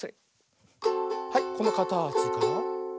はいこのかたちから。